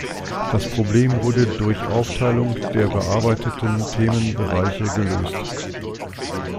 Das Problem wurde durch Aufteilung der bearbeiteten Themenbereiche gelöst.